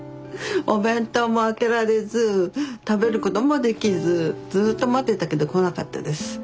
お弁当も開けられず食べることもできずずっと待ってたけど来なかったです。